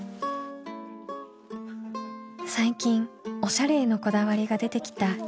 最近おしゃれへのこだわりが出てきたいちかちゃん。